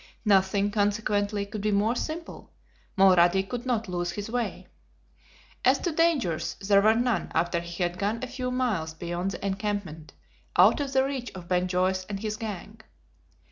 Nothing, consequently, could be more simple. Mulrady could not lose his way. As to dangers, there were none after he had gone a few miles beyond the encampment, out of the reach of Ben Joyce and his gang.